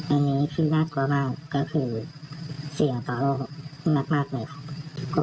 อันนี้คือน่ากลัวมากก็คือเสี่ยงต่อโรคมากมากเลยครับ